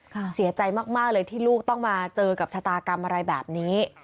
เสียใจมากเลยที่ลูกต้องมาเจอกับชะตากรรมอะไรแบบนี้